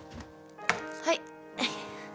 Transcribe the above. はい。